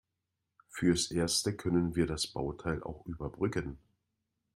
Fürs Erste können wir das Bauteil auch überbrücken.